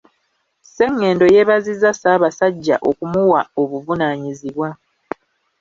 Ssengendo yeebazizza Ssaabasajja okumuwa obuvunaanyizibwa.